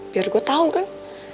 biar gue tau kan